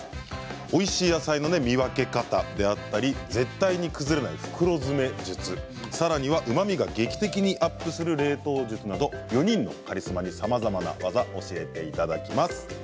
おいしい野菜の見分け方であったり絶対に崩れない袋詰め術さらには、うまみが劇的にアップする冷凍術など４人のカリスマに、さまざまな技教えていただきます。